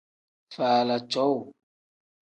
Faala cowuu.